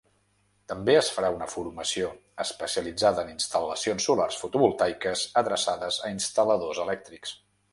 També es farà una formació especialitzada en instal·lacions solars fotovoltaiques adreçada a instal·ladors elèctrics.